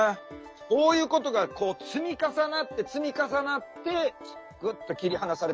そういうことがこう積み重なって積み重なってぐっと切り離されてきた。